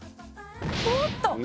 「おっと！